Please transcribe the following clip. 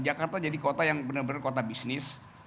jakarta jadi kota yang benar benar kota bisnis